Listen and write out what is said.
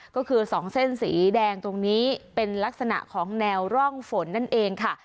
ก็คือ๒เส้นสีแดงตรงนี้เป็นลักษณะของแนวร่องฝนนั่นเองค่ะ